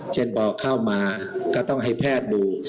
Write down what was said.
เช่นพอเข้ามาก็ต้องให้แพทย์ดู